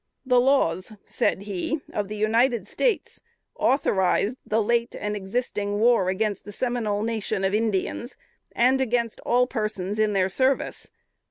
"The laws (said he) of the United States authorize the late and existing war against the Seminole nation of Indians, and against all persons in their service.